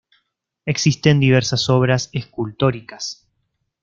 Existen diversas obras escultóricas.